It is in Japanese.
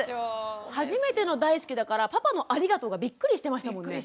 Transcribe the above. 初めての大好きだからパパの「ありがとう」がビックリしてましたもんね。